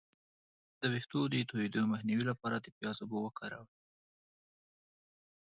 د ویښتو د تویدو مخنیوي لپاره د پیاز اوبه وکاروئ